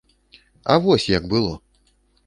А вось як было.